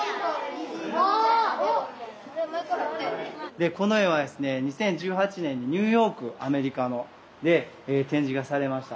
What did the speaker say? でこの絵はですね２０１８年にニューヨークアメリカの。で展示がされました。